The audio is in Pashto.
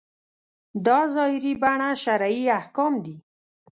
دا ظاهري بڼه شرعي احکام دي.